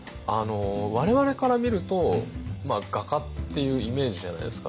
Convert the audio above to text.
我々から見ると画家っていうイメージじゃないですか。